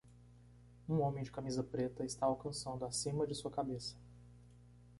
Um homem de camisa preta está alcançando acima de sua cabeça.